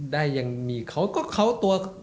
ได้ยังมีเขาก็เขาตัว